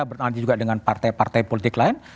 berarti juga dengan partai partai politik lain